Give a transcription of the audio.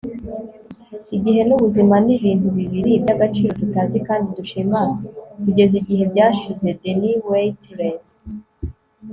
igihe n'ubuzima ni ibintu bibiri by'agaciro tutazi kandi dushima kugeza igihe byashize. - denis waitley